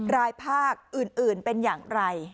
ภาคอื่นเป็นอย่างไร